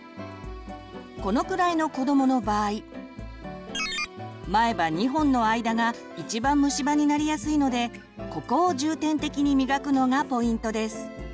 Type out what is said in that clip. このくらいの子どもの場合前歯２本の間がいちばん虫歯になりやすいのでここを重点的に磨くのがポイントです。